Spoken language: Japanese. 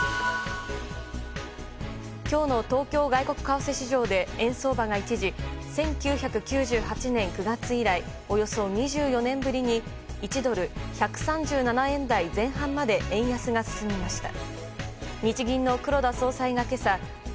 今日の東京外国為替市場で円相場が一時１９９８年９月以来およそ２４年ぶりに１ドル＝１３７円台前半まで円安が進みました。